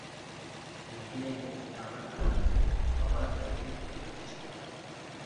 يۆتكىلەيلى تاقىر قىرلاردىن، ۋابا كەلدى ئېرىق ئىچىگە.